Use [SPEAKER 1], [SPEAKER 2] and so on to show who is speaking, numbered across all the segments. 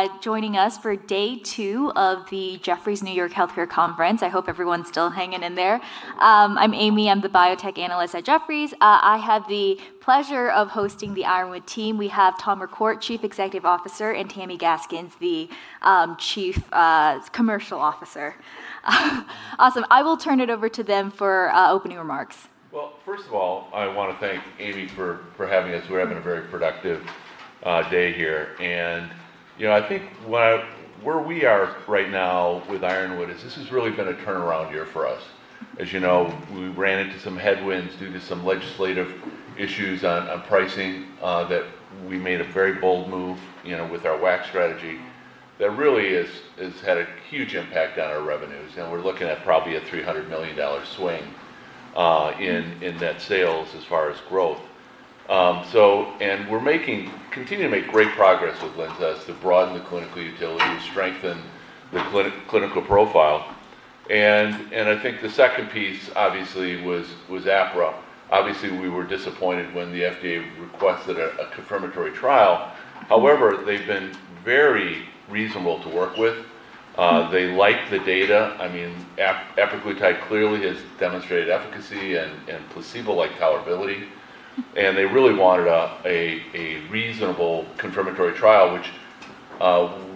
[SPEAKER 1] Thanks for joining us for day two of the Jefferies New York Healthcare Conference. I hope everyone's still hanging in there. I'm Amy. I'm the Biotech Analyst at Jefferies. I have the pleasure of hosting the Ironwood team. We have Tom McCourt, Chief Executive Officer, and Tammi Gaskins, the Chief Commercial Officer. Awesome. I will turn it over to them for opening remarks.
[SPEAKER 2] Well, first of all, I want to thank Amy for having us. We're having a very productive day here. I think where we are right now with Ironwood is this is really going to turn around year for us. As you know, we ran into some headwinds due to some legislative issues on pricing, that we made a very bold move with our WAC strategy that really has had a huge impact on our revenues, we're looking at probably a $300 million swing in net sales as far as growth. We're continuing to make great progress with LINZESS to broaden the clinical utility, strengthen the clinical profile. I think the second piece obviously was Apra. Obviously, we were disappointed when the FDA requested a confirmatory trial. They've been very reasonable to work with. They like the data. I mean, apraglutide clearly has demonstrated efficacy and placebo-like tolerability, and they really wanted a reasonable confirmatory trial, which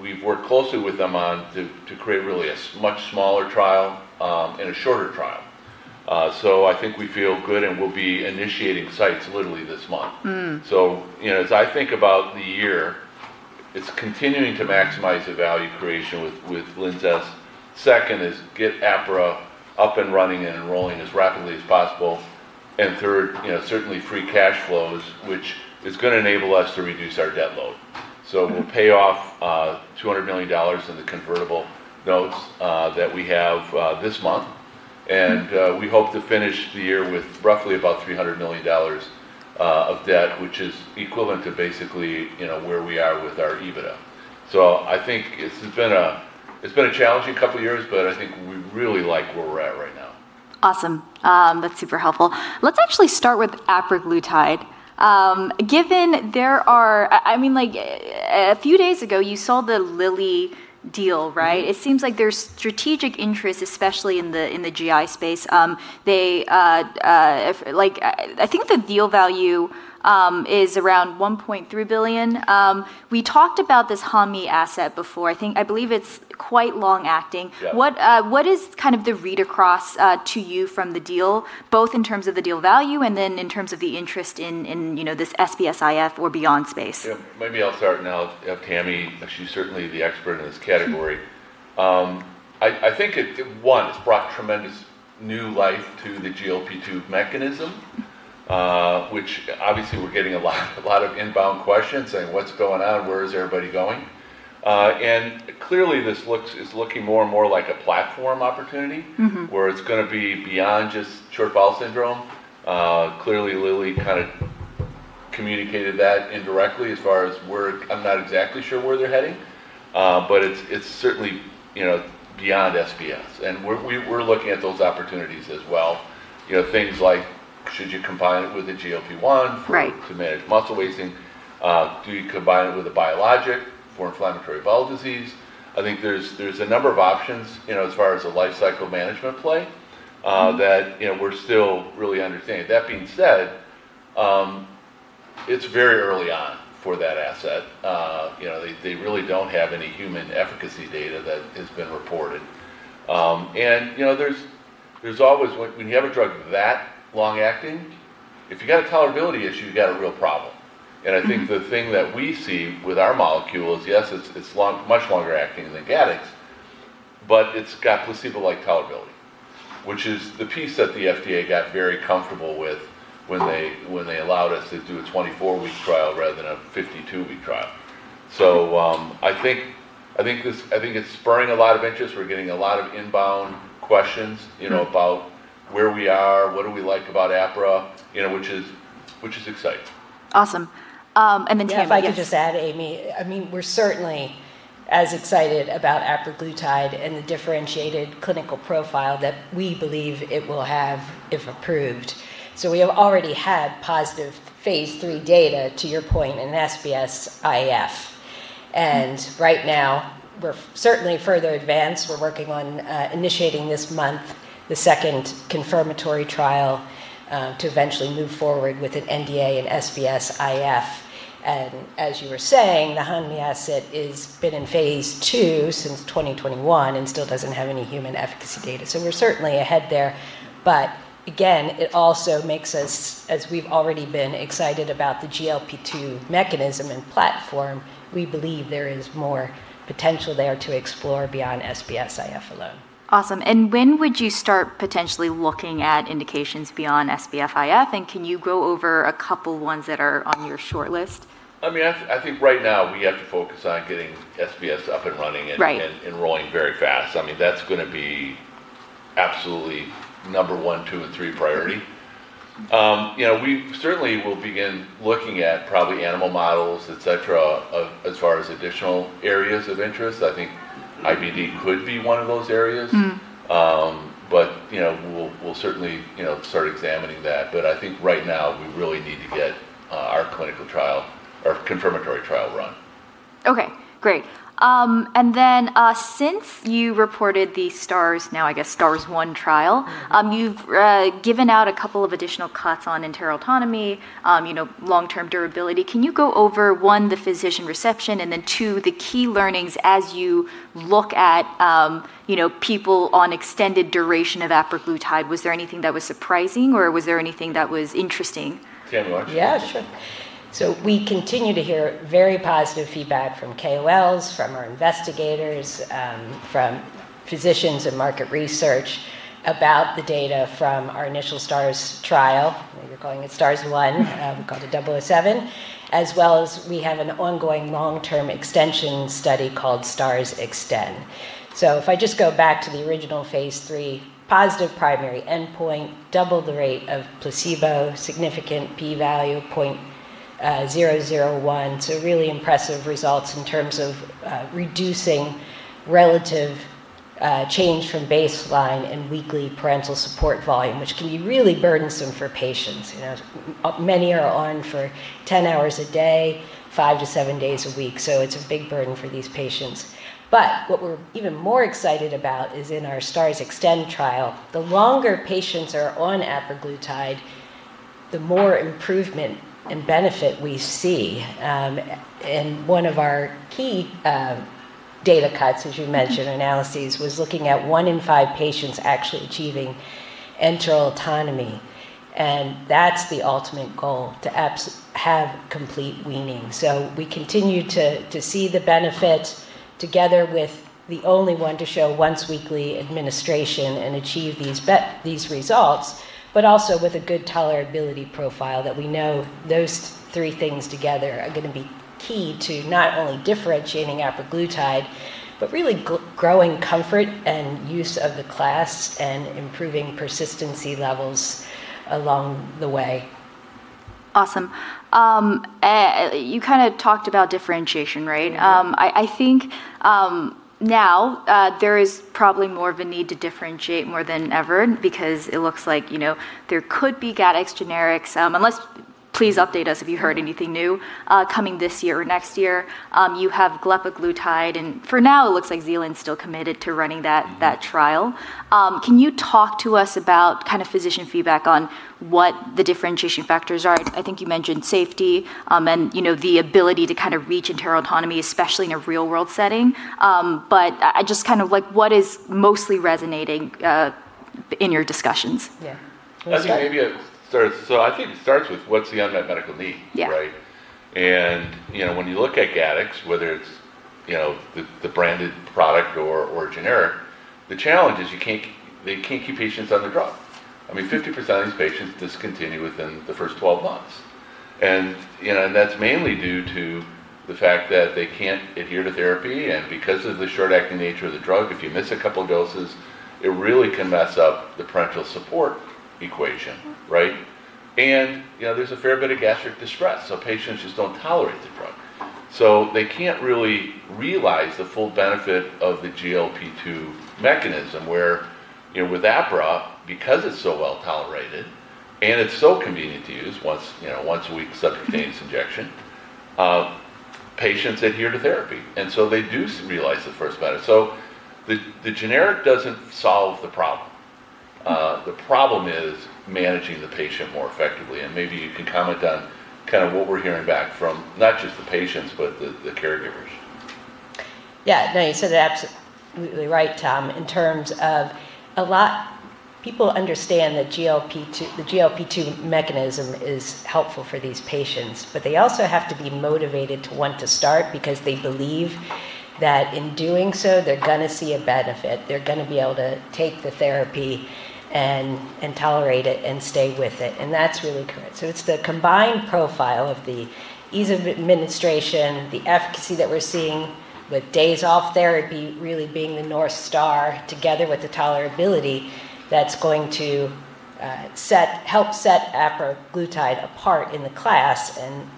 [SPEAKER 2] we've worked closely with them on to create really a much smaller trial and a shorter trial. I think we feel good and we'll be initiating sites literally this month. As I think about the year, it's continuing to maximize the value creation with LINZESS. Second is get apraglutide up and running and enrolling as rapidly as possible. Third, certainly free cash flows, which is going to enable us to reduce our debt load. We'll pay off $200 million in the convertible notes that we have this month, and we hope to finish the year with roughly about $300 million of debt, which is equivalent to basically where we are with our EBITDA. I think it's been a challenging couple of years, but I think we really like where we're at right now.
[SPEAKER 1] Awesome. That's super helpful. Let's actually start with apraglutide. A few days ago, you saw the Lilly deal, right? It seems like there's strategic interest, especially in the GI space. I think the deal value is around $1.3 billion. We talked about this Hanmi asset before. I believe it's quite long-acting. What is kind of the read-across to you from the deal, both in terms of the deal value and then in terms of the interest in this SBS-IF or beyond space?
[SPEAKER 2] Maybe I'll start and I'll have Tammi, as she's certainly the expert in this category. I think, one, it's brought tremendous new life to the GLP-2 mechanism, which obviously we're getting a lot of inbound questions saying, "What's going on? Where is everybody going?" Clearly this is looking more and more like a platform opportunity. where it's going to be beyond just Short Bowel Syndrome. Clearly, Lilly kind of communicated that indirectly as far as where I'm not exactly sure where they're heading, but it's certainly beyond SBS. We're looking at those opportunities as well. Things like should you combine it with a GLP-1 to manage muscle wasting? Do you combine it with a biologic for inflammatory bowel disease? I think there's a number of options as far as a life cycle management play that we're still really understanding. That being said, it's very early on for that asset. They really don't have any human efficacy data that has been reported. When you have a drug that long-acting, if you got a tolerability issue, you got a real problem. I think the thing that we see with our molecule is, yes, it's much longer-acting than GATTEX, but it's got placebo-like tolerability, which is the piece that the FDA got very comfortable with when they allowed us to do a 24-week trial rather than a 52-week trial. I think it's spurring a lot of interest. We're getting a lot of inbound questions about where we are, what do we like about apraglutide, which is exciting.
[SPEAKER 1] Awesome. Then Tammi, yes.
[SPEAKER 3] Yeah, if I could just add, Amy, we're certainly as excited about apraglutide and the differentiated clinical profile that we believe it will have if approved. We have already had positive phase III data, to your point, in SBS-IF. Right now we're certainly further advanced. We're working on initiating this month, the second confirmatory trial to eventually move forward with an NDA in SBS-IF. As you were saying, the Hanmi asset has been in phase II since 2021 and still doesn't have any human efficacy data. We're certainly ahead there, but again, it also makes us, as we've already been excited about the GLP-2 mechanism and platform, we believe there is more potential there to explore beyond SBS-IF alone.
[SPEAKER 1] Awesome. When would you start potentially looking at indications beyond SBS-IF, and can you go over a couple ones that are on your shortlist?
[SPEAKER 2] I think right now we have to focus on getting SBS-IF up and running and enrolling very fast. That's going to be absolutely number one, two, and three priority. We certainly will begin looking at probably animal models, et cetera, as far as additional areas of interest. I think IBD could be one of those areas. We'll certainly start examining that. I think right now, we really need to get our clinical trial, our confirmatory trial run.
[SPEAKER 1] Okay, great. Then, since you reported the STARS, now, I guess STARS 1 trial, you've given out a couple of additional cuts on enteral autonomy, long-term durability. Can you go over, one, the physician reception, and then two, the key learnings as you look at people on extended duration of apraglutide? Was there anything that was surprising, or was there anything that was interesting?
[SPEAKER 2] Tammi, why don't you.
[SPEAKER 3] Yeah, sure. We continue to hear very positive feedback from KOLs, from our investigators, from physicians and market research about the data from our initial STARS trial. You're calling it STARS 1. We called it 007. As well as we have an ongoing long-term extension study called STARS Extend. If I just go back to the original phase III positive primary endpoint, double the rate of placebo, significant p-value, 0.001. Really impressive results in terms of reducing relative change from baseline and weekly parenteral support volume, which can be really burdensome for patients. Many are on for 10 hours a day, five to seven days a week. It's a big burden for these patients. What we're even more excited about is in our STARS Extend trial. The longer patients are on apraglutide, the more improvement and benefit we see. One of our key data cuts, as you mentioned, analyses, was looking at one in five patients actually achieving enteral autonomy, and that's the ultimate goal, to have complete weaning. We continue to see the benefit together with the only one to show once-weekly administration and achieve these results, but also with a good tolerability profile that we know those three things together are going to be key to not only differentiating apraglutide, but really growing comfort and use of the class and improving persistency levels along the way.
[SPEAKER 1] Awesome. You talked about differentiation, right? I think now, there is probably more of a need to differentiate more than ever because it looks like there could be GATTEX generics. Let's please update us if you heard anything new coming this year or next year. You have glepaglutide, and for now, it looks like Zealand's still committed to running that trial. Can you talk to us about physician feedback on what the differentiation factors are? I think you mentioned safety, and the ability to reach enteral autonomy, especially in a real-world setting. Just what is mostly resonating in your discussions?
[SPEAKER 2] I think maybe it starts with what's the unmet medical need, right? When you look at GATTEX, whether it's the branded product or generic, the challenge is they can't keep patients on the drug. 50% of these patients discontinue within the first 12 months, that's mainly due to the fact that they can't adhere to therapy, because of the short-acting nature of the drug, if you miss a couple doses, it really can mess up the parenteral support equation, right? There's a fair bit of gastric distress, patients just don't tolerate the drug. They can't really realize the full benefit of the GLP-2 mechanism where with apraglutide, because it's so well-tolerated and it's so convenient to use, once a week subcutaneous injection, patients adhere to therapy. They do realize the first benefit. The generic doesn't solve the problem. The problem is managing the patient more effectively, and maybe you can comment on what we're hearing back from not just the patients, but the caregivers.
[SPEAKER 3] You said it absolutely right, Tom. In terms of a lot People understand the GLP-2 mechanism is helpful for these patients, they also have to be motivated to want to start because they believe that in doing so, they're going to see a benefit. They're going to be able to take the therapy and tolerate it and stay with it, that's really correct. It's the combined profile of the ease of administration, the efficacy that we're seeing with days off therapy really being the North Star together with the tolerability that's going to help set apraglutide apart in the class, and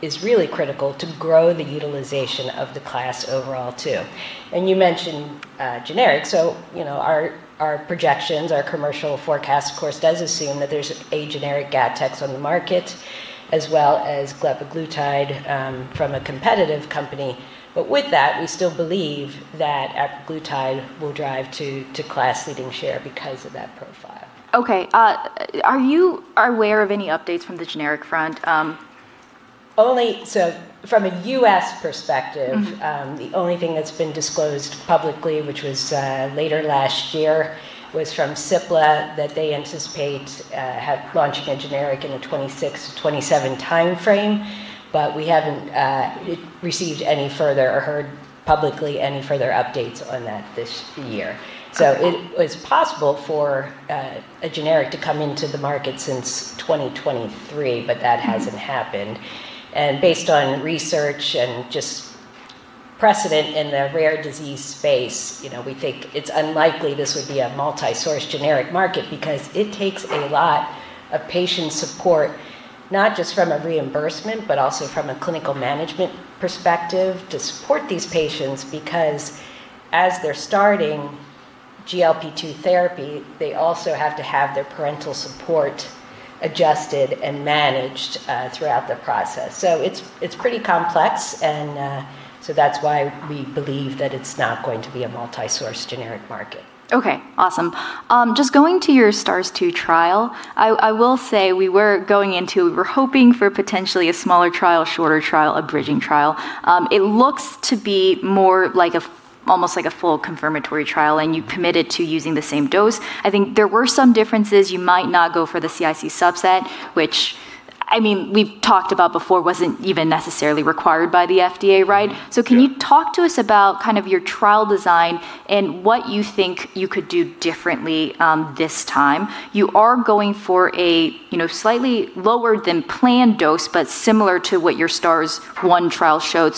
[SPEAKER 3] is really critical to grow the utilization of the class overall, too. You mentioned generics. Our projections, our commercial forecast, of course, does assume that there's a generic GATTEX on the market as well as glepaglutide from a competitive company. With that, we still believe that apraglutide will drive to class-leading share because of that profile.
[SPEAKER 1] Okay. Are you aware of any updates from the generic front?
[SPEAKER 3] From a U.S. perspective, the only thing that's been disclosed publicly, which was later last year, was from Cipla that they anticipate launching a generic in the 2026 to 2027 timeframe. We haven't received any further or heard publicly any further updates on that this year. It was possible for a generic to come into the market since 2023, but that hasn't happened. Based on research and just precedent in the rare disease space, we think it's unlikely this would be a multi-source generic market because it takes a lot of patient support not just from a reimbursement, but also from a clinical management perspective to support these patients, because as they're starting GLP-2 therapy, they also have to have their parenteral support adjusted and managed throughout the process. It's pretty complex, and so that's why we believe that it's not going to be a multi-source generic market.
[SPEAKER 1] Okay, awesome. Just going to your STARS 2 trial, I will say we were going into, we were hoping for potentially a smaller trial, shorter trial, a bridging trial. It looks to be more almost like a full confirmatory trial, and you committed to using the same dose. I think there were some differences. You might not go for the CIC subset, which, we've talked about before, wasn't even necessarily required by the FDA, right?
[SPEAKER 2] Yeah.
[SPEAKER 1] Can you talk to us about your trial design and what you think you could do differently this time? You are going for a slightly lower than planned dose, but similar to what your STARS 1 trial showed.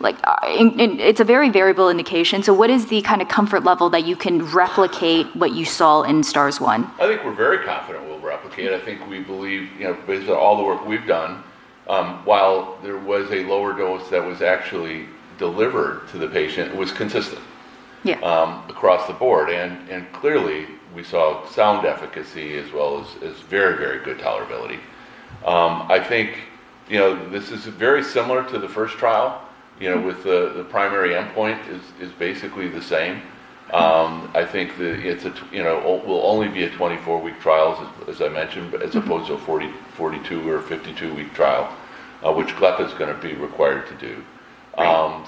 [SPEAKER 1] It's a very variable indication. What is the kind of comfort level that you can replicate what you saw in STARS 1?
[SPEAKER 2] I think we're very confident we'll replicate. I think we believe, based on all the work we've done, while there was a lower dose that was actually delivered to the patient-. Across the board. Clearly we saw sound efficacy as well as very good tolerability. I think this is very similar to the first trial. The primary endpoint is basically the same. I think that it will only be a 24-week trial, as I mentioned, as opposed to a 40, 42, or 52-week trial, which glepaglutide is going to be required to do. I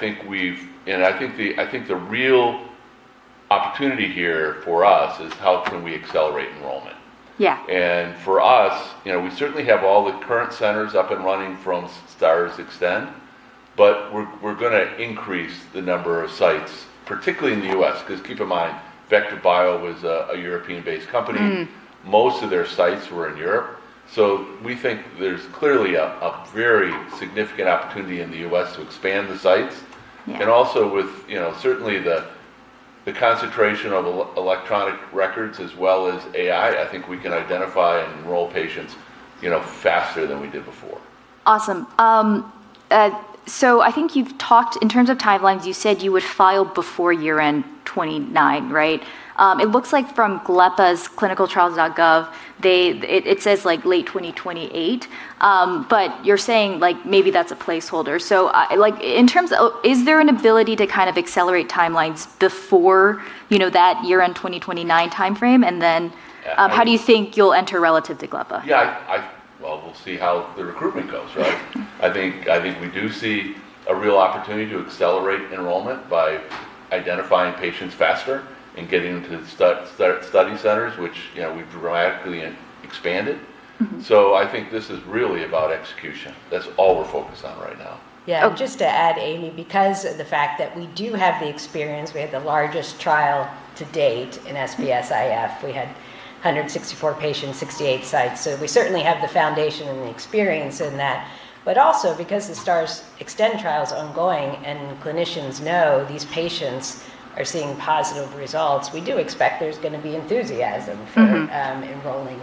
[SPEAKER 2] think the real opportunity here for us is how can we accelerate enrollment. For us, we certainly have all the current centers up and running from STARS Extend, but we're going to increase the number of sites, particularly in the U.S., because keep in mind, VectivBio was a European-based company. Most of their sites were in Europe. We think there's clearly a very significant opportunity in the U.S. to expand the sites. Also with, certainly the concentration of electronic records as well as AI, I think we can identify and enroll patients faster than we did before.
[SPEAKER 1] Awesome. I think you've talked, in terms of timelines, you said you would file before year-end 2029, right? It looks like from ClinicalTrials.gov, it says late 2028. You're saying maybe that's a placeholder. Is there an ability to accelerate timelines before that year-end 2029 timeframe? How do you think you'll enter relative to glepa?
[SPEAKER 2] Well, we'll see how the recruitment goes, right? I think we do see a real opportunity to accelerate enrollment by identifying patients faster and getting them to the study centers, which we've dramatically expanded. I think this is really about execution. That's all we're focused on right now.
[SPEAKER 3] Yeah, just to add, Amy, because of the fact that we do have the experience, we have the largest trial to date in SBS-IF. We had 164 patients, 68 sites. We certainly have the foundation and the experience in that. Because the STARS Extend trial's ongoing and clinicians know these patients are seeing positive results, we do expect there's going to be enthusiasm for enrolling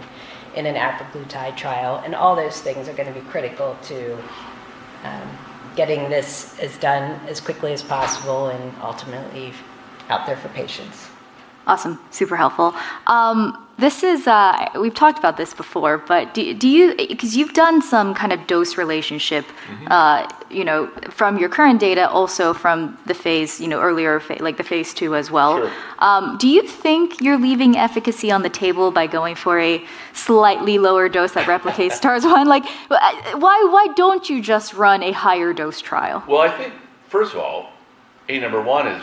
[SPEAKER 3] in an apraglutide trial, and all those things are going to be critical to getting this done as quickly as possible and ultimately out there for patients.
[SPEAKER 1] Awesome. Super helpful. We've talked about this before, because you've done some kind of dose relationship from your current data, also from the earlier phase, like the phase II as well. Do you think you're leaving efficacy on the table by going for a slightly lower dose that replicates STARS 1? Why don't you just run a higher dose trial?
[SPEAKER 2] Well, I think first of all, number one is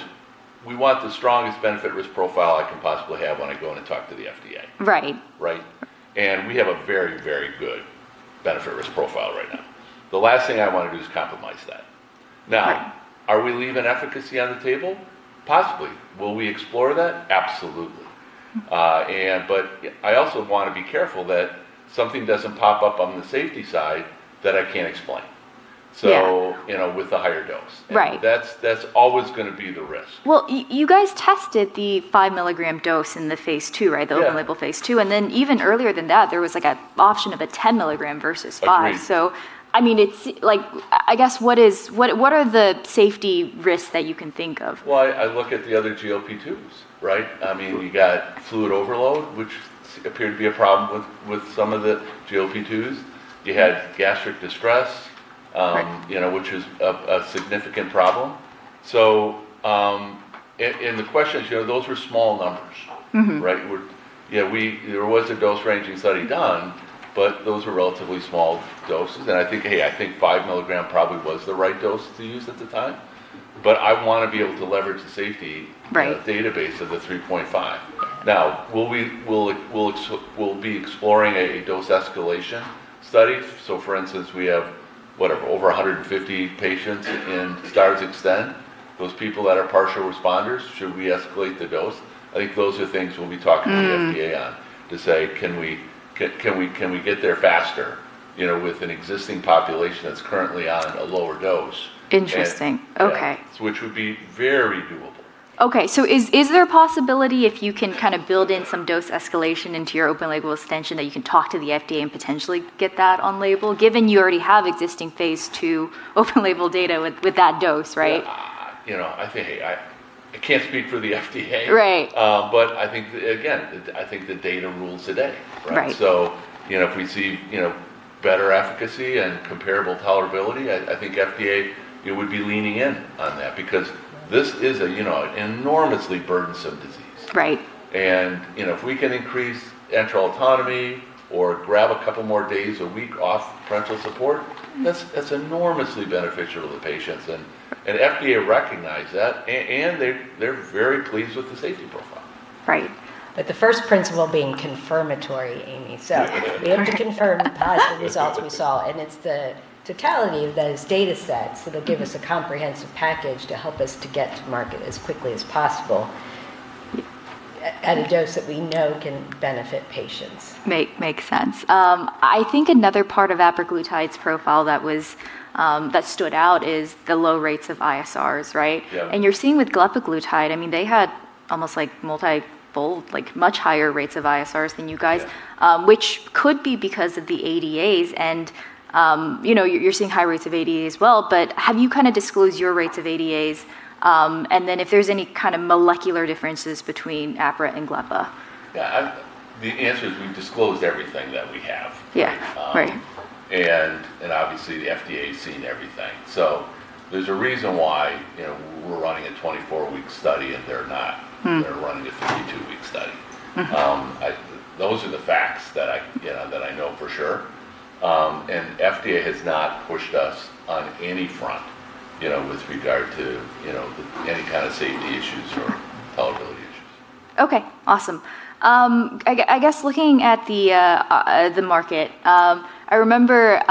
[SPEAKER 2] we want the strongest benefit-risk profile I can possibly have when I go in and talk to the FDA. Right. We have a very good benefit-risk profile right now. The last thing I want to do is compromise that. Are we leaving efficacy on the table? Possibly. Will we explore that? Absolutely. I also want to be careful that something doesn't pop up on the safety side that I can't explain with the higher dose. That's always going to be the risk.
[SPEAKER 1] Well, you guys tested the 5 mg dose in the phase II, right?
[SPEAKER 2] Yeah.
[SPEAKER 1] The open label phase II, and then even earlier than that, there was an option of a 10 mg versus 5 mg
[SPEAKER 2] Agreed.
[SPEAKER 1] I guess, what are the safety risks that you can think of?
[SPEAKER 2] Well, I look at the other GLP-2s, right? You got fluid overload, which appeared to be a problem with some of the GLP-2s. You had gastric distress which is a significant problem. The question is, those were small numbers. Right? There was a dose ranging study done, but those were relatively small doses, and I think 5 mg probably was the right dose to use at the time. I want to be able to leverage safety of database of the 3.5 mg. We'll be exploring a dose escalation study. For instance, we have over 150 patients in STARS Extend. Those people that are partial responders, should we escalate the dose? I think those are things we'll be talking to the FDA on, to say, "Can we get there faster with an existing population that's currently on a lower dose?
[SPEAKER 1] Interesting. Okay.
[SPEAKER 2] Which would be very doable.
[SPEAKER 1] Okay. Is there a possibility if you can build in some dose escalation into your open-label extension that you can talk to the FDA and potentially get that on label, given you already have existing phase II open-label data with that dose, right?
[SPEAKER 2] I can't speak for the FDA. I think, again, the data rules the day, right? If we see better efficacy and comparable tolerability, I think FDA would be leaning in on that because this is an enormously burdensome disease. If we can increase enteral autonomy or grab a couple more days a week off parenteral support, that's enormously beneficial to the patients. FDA recognized that, and they're very pleased with the safety profile.
[SPEAKER 3] The first principle being confirmatory, Amy. We have to confirm the positive results we saw, and it's the totality of those data sets that'll give us a comprehensive package to help us to get to market as quickly as possible, at a dose that we know can benefit patients.
[SPEAKER 1] Makes sense. I think another part of apraglutide's profile that stood out is the low rates of ISRs, right?
[SPEAKER 2] Yeah.
[SPEAKER 1] You're seeing with glepaglutide, they had almost multi-fold, much higher rates of ISRs than you guys. Which could be because of the ADAs and, you're seeing high rates of ADAs as well, but have you disclosed your rates of ADAs? If there's any kind of molecular differences between apraglutide and glepaglutide?
[SPEAKER 2] The answer is we've disclosed everything that we have. Obviously the FDA's seen everything. There's a reason why we're running a 24-week study and they're not. They're running a 52-week study. Those are the facts that I know for sure. FDA has not pushed us on any front with regard to any kind of safety issues or tolerability issues.
[SPEAKER 1] Okay. Awesome. I guess looking at the market, I remember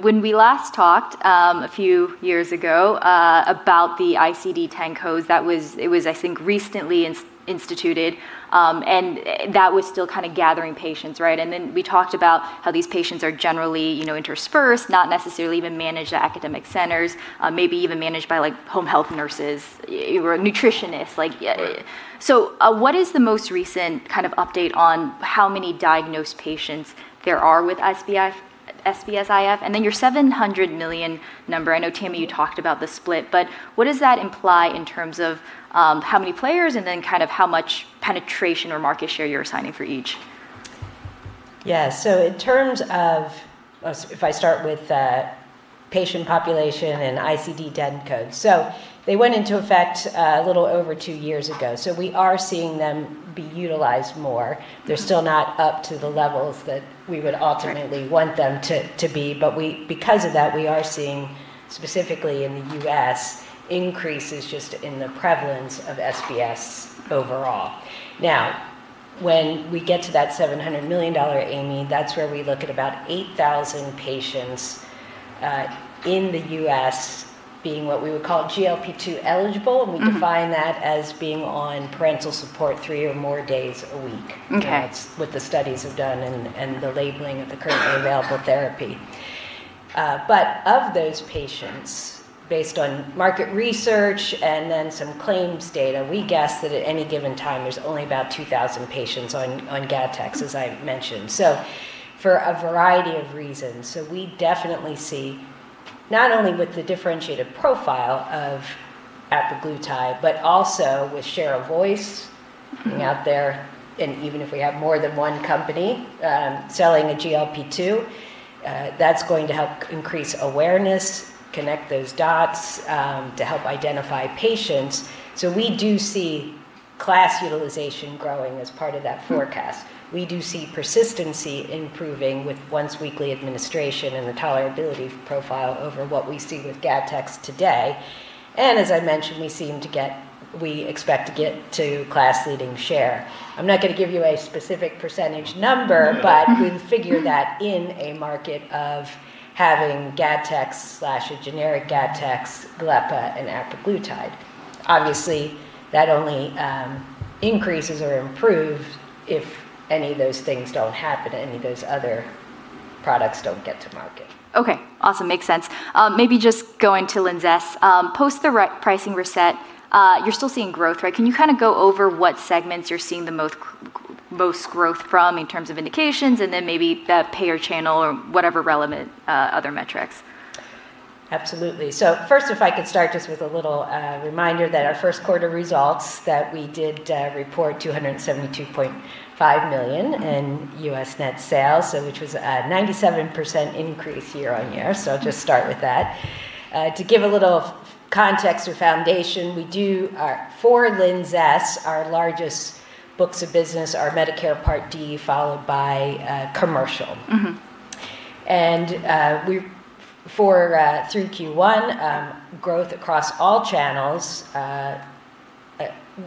[SPEAKER 1] when we last talked a few years ago about the ICD-10 codes, that was I think recently instituted, and that was still kind of gathering patients, right? Then we talked about how these patients are generally interspersed, not necessarily even managed at academic centers, maybe even managed by home health nurses or a nutritionist. What is the most recent update on how many diagnosed patients there are with SBS-IF? Your $700 million number, I know Tammi, you talked about the split, but what does that imply in terms of how many players and then how much penetration or market share you're assigning for each?
[SPEAKER 3] Yeah. If I start with patient population and ICD-10 codes. They went into effect a little over two years ago. We are seeing them be utilized more. They're still not up to the levels that we would want them to be, but because of that, we are seeing, specifically in the U.S., increases just in the prevalence of SBS overall. Now, when we get to that $700 million, Amy, that's where we look at about 8,000 patients in the U.S. being what we would call GLP-2 eligible. We define that as being on parenteral support three or more days a week. That's what the studies have done and the labeling of the currently available therapy. Of those patients, based on market research and then some claims data, we guess that at any given time, there's only about 2,000 patients on GATTEX, as I mentioned. For a variety of reasons. We definitely see not only with the differentiated profile of apraglutide, but also with share of voice out there, and even if we have more than one company selling a GLP-2, that's going to help increase awareness, connect those dots, to help identify patients. We do see class utilization growing as part of that forecast. We do see persistency improving with once-weekly administration and the tolerability profile over what we see with GATTEX today. As I mentioned, we expect to get to class leading share. I'm not going to give you a specific percentage number, but we figure that in a market of having GATTEX/a generic GATTEX, glepaglutide, and apraglutide. Obviously, that only increases or improves if any of those things don't happen, any of those other products don't get to market.
[SPEAKER 1] Okay. Awesome. Makes sense. Maybe just going to LINZESS. Post the pricing reset, you're still seeing growth, right? Can you go over what segments you're seeing the most growth from in terms of indications and then maybe the payer channel or whatever relevant other metrics?
[SPEAKER 3] Absolutely. First, if I could start just with a little reminder that our first quarter results that we did report $272.5 million in U.S. net sales, which was a 97% increase year-on-year. I'll just start with that. To give a little context or foundation, for LINZESS, our largest books of business are Medicare Part D, followed by Commercial. Through Q1, growth across all channels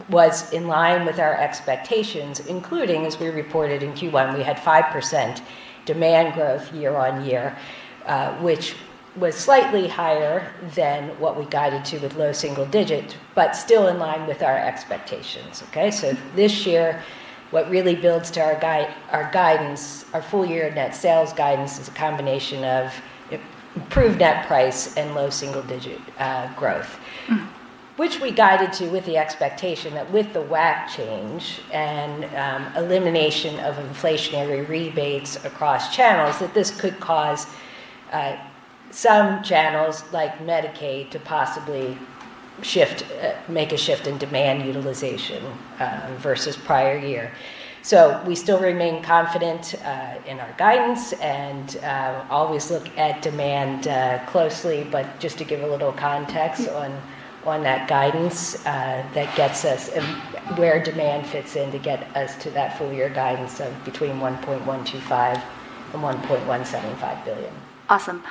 [SPEAKER 3] was in line with our expectations, including, as we reported in Q1, we had 5% demand growth year-on-year, which was slightly higher than what we guided to with low single-digit, but still in line with our expectations. Okay? This year, what really builds to our full year net sales guidance is a combination of improved net price and low single-digit growth. Which we guided to with the expectation that with the WAC change and elimination of inflationary rebates across channels, that this could cause some channels like Medicaid to possibly make a shift in demand utilization versus prior year. We still remain confident in our guidance and always look at demand closely, but just to give a little context on that guidance, that gets us where demand fits in to get us to that full year guidance of between $1.125 billion and $1.175 billion.
[SPEAKER 1] Awesome.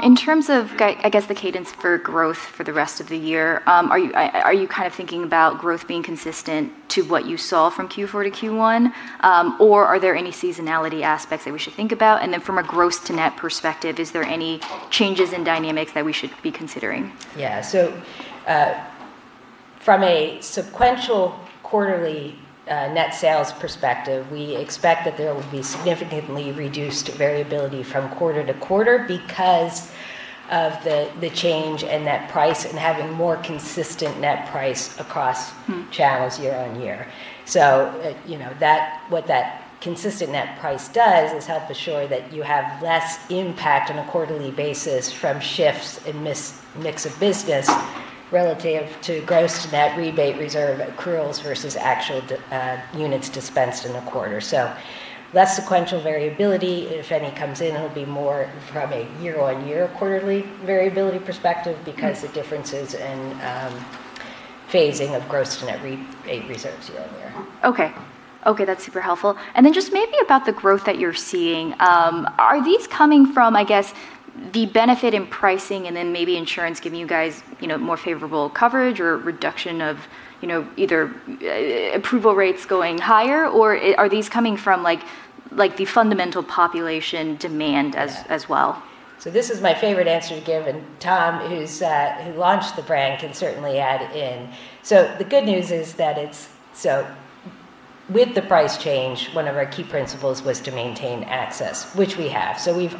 [SPEAKER 1] In terms of, I guess, the cadence for growth for the rest of the year, are you thinking about growth being consistent to what you saw from Q4 to Q1? Are there any seasonality aspects that we should think about? From a gross to net perspective, is there any changes in dynamics that we should be considering?
[SPEAKER 3] Yeah. From a sequential quarterly net sales perspective, we expect that there will be significantly reduced variability from quarter-to-quarter because of the change in net price and having more consistent net price across channels year-on-year. What that consistent net price does is help assure that you have less impact on a quarterly basis from shifts in mix of business relative to gross to net rebate reserve accruals versus actual units dispensed in a quarter. Less sequential variability. If any comes in, it'll be more from a year-on-year quarterly variability perspective because the differences in phasing of gross to net rate reserves year-on-year.
[SPEAKER 1] Okay. That's super helpful. Then just maybe about the growth that you're seeing, are these coming from, I guess, the benefit in pricing and then maybe insurance giving you guys more favorable coverage or reduction of either approval rates going higher, or are these coming from the fundamental population demand as well?
[SPEAKER 3] This is my favorite answer to give, and Tom, who launched the brand, can certainly add in. The good news is that with the price change, one of our key principles was to maintain access, which we have. We've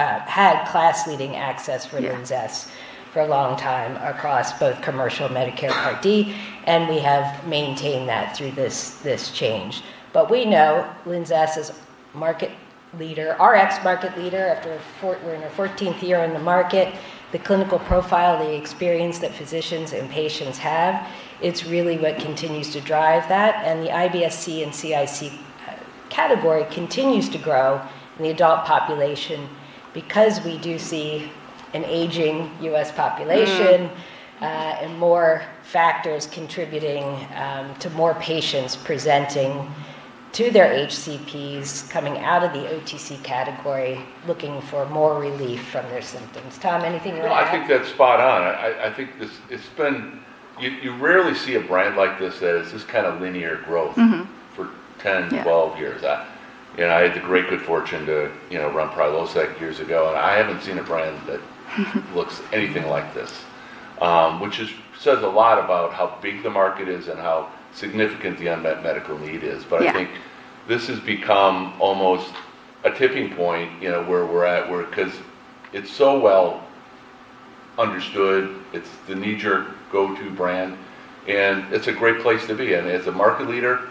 [SPEAKER 3] had class leading access for LINZESS for a long time across both Commercial and Medicare Part D, and we have maintained that through this change. We know LINZESS is market leader, RX market leader. We're in our 14th year in the market. The clinical profile, the experience that physicians and patients have, it's really what continues to drive that. The IBS-C and CIC category continues to grow in the adult population because we do see an aging U.S. population. More factors contributing to more patients presenting to their HCPs, coming out of the OTC category, looking for more relief from their symptoms. Tom, anything you want to add?
[SPEAKER 2] No, I think that's spot on. You rarely see a brand like this that is this kind of linear growth for 10, 12 years. I had the great good fortune to run Prilosec years ago, and I haven't seen a brand that looks anything like this. Which says a lot about how big the market is and how significant the unmet medical need is. I think this has become almost a tipping point, where we're at. Because it's so well understood. It's the knee-jerk go-to brand, and it's a great place to be. As a market leader,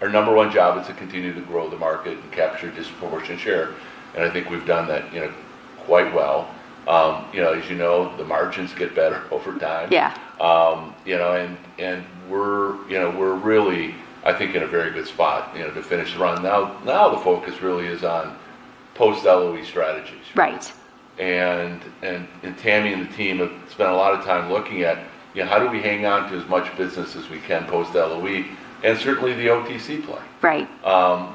[SPEAKER 2] our number one job is to continue to grow the market and capture disproportionate share, and I think we've done that quite well. As you know, the margins get better over time. We're really, I think, in a very good spot to finish the run. Now the focus really is on post-LOE strategies. Tammi and the team have spent a lot of time looking at how do we hang on to as much business as we can post-LOE, and certainly the OTC play,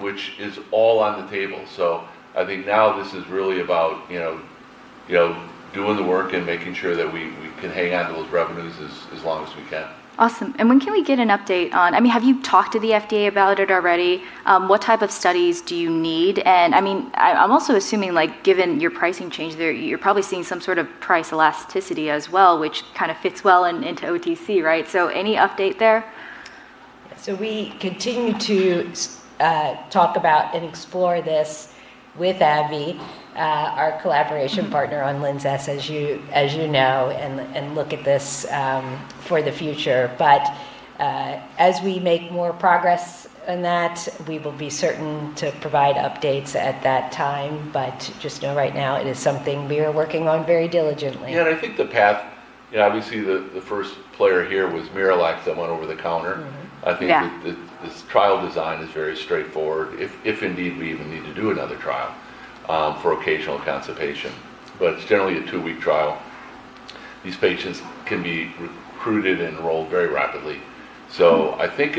[SPEAKER 2] which is all on the table. I think now this is really about doing the work and making sure that we can hang on to those revenues as long as we can.
[SPEAKER 1] Awesome. When can we get an update? Have you talked to the FDA about it already? What type of studies do you need? I'm also assuming, given your pricing change there, you're probably seeing some sort of price elasticity as well, which kind of fits well into OTC, right? Any update there?
[SPEAKER 3] We continue to talk about and explore this with AbbVie, our collaboration partner on LINZESS, as you know, and look at this for the future. As we make more progress on that, we will be certain to provide updates at that time. Just know right now it is something we are working on very diligently.
[SPEAKER 2] Yeah, I think the path, obviously the first player here was MiraLAX that went over the counter. I think this trial design is very straightforward, if indeed we even need to do another trial for occasional constipation. It's generally a two-week trial. These patients can be recruited and enrolled very rapidly. I think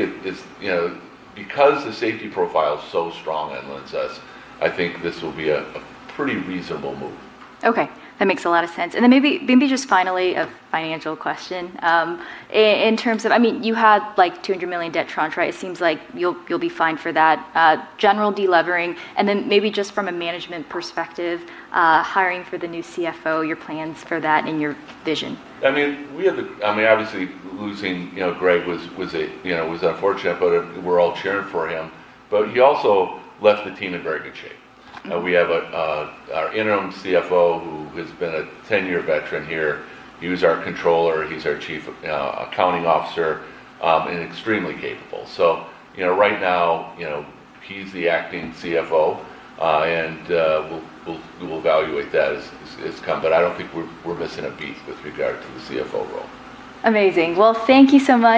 [SPEAKER 2] because the safety profile is so strong in LINZESS, I think this will be a pretty reasonable move.
[SPEAKER 1] Okay. That makes a lot of sense. Maybe just finally, a financial question. You had $200 million debt tranche, right? It seems like you'll be fine for that. General de-levering. Maybe just from a management perspective, hiring for the new CFO, your plans for that and your vision.
[SPEAKER 2] Obviously losing Greg was unfortunate, but we're all cheering for him. He also left the team in very good shape. We have our interim CFO, who has been a 10-year veteran here, he was our controller, he's our chief accounting officer, and extremely capable. Right now, he's the acting CFO, and we'll evaluate that as it's come. I don't think we're missing a beat with regard to the CFO role.
[SPEAKER 1] Amazing. Well, thank you so much